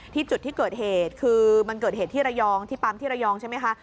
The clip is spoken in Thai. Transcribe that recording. จุดที่เกิดเหตุคือมันเกิดเหตุที่ระยองที่ปั๊มที่ระยองใช่ไหมคะ